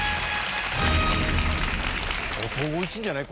相当美味しいんじゃない？